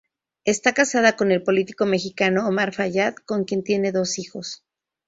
Está casada con el político mexicano Omar Fayad, con quien tiene dos hijos.